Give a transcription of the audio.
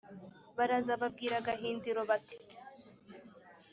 baraza babwira gahindiro bati